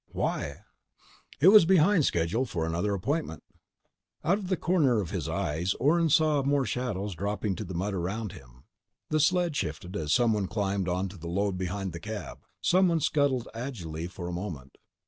"Why?" "It was behind schedule for another appointment." Out of the corners of his eyes, Orne saw more shadows dropping to the mud around him. The sled shifted as someone climbed onto the load behind the cab. The someone scuttled agilely for a moment.